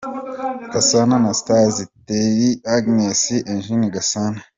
Gasana Anastase, Teteri Agnes na Eugene Gasana